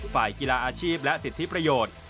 ฝ่ายกีฬาอาชีพและสิทธิประโยชน์